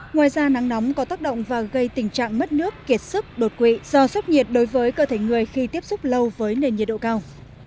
ngoài ra nắng nóng có tác động và gây tình trạng mất nước kiệt sức đột quỵ do sốc nhiệt đối với cơ thể người khi tiếp xúc lâu với nền nhiệt độ cao